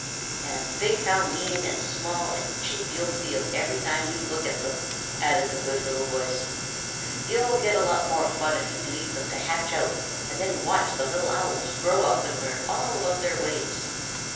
"And think how mean and small and cheap you'll feel every time you look at them," added the good little voice. "You'll get a lot more fun if you leave them to hatch out and then watch the little Owls grow up and learn all about their ways.